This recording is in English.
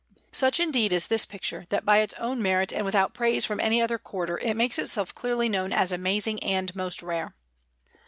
Such, indeed, is this picture, that by its own merit and without praise from any other quarter it makes itself clearly known as amazing and most rare.